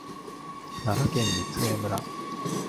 奈良県御杖村